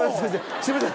すいません。